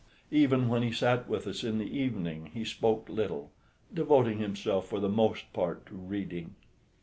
Even when he sat with us in the evening, he spoke little, devoting himself for the most part to reading.